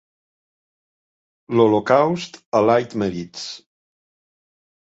L'Holocaust a Leitmeritz.